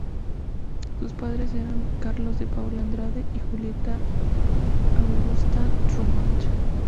Sus padres eran Carlos de Paula Andrade y Julieta Augusta Drummond.